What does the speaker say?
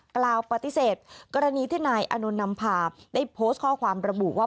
กล่าวปฏิเสธกรณีที่นายอานนท์นำพาได้โพสต์ข้อความระบุว่า